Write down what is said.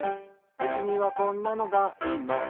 「うちにはこんなのがいます」